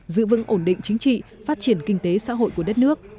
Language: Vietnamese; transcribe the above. giữ vững ổn định chính trị phát triển kinh tế xã hội của đất nước